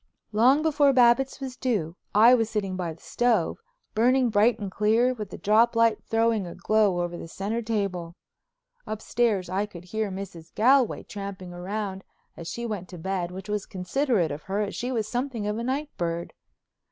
Long before Babbitts was due I was sitting by the stove, burning bright and clear, with the drop light throwing a glow over the center table. Upstairs I could hear Mrs. Galway tramping round as she went to bed, which was considerate of her as she was something of a night bird.